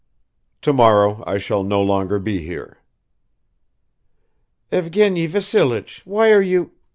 Tomorrow I shall no longer be here." "Evgeny Vassilich, why are you ..."